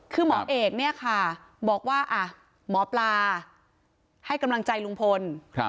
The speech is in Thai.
คือหมอเอกเนี่ยค่ะบอกว่าหมอปลาให้กำลังใจลุงพล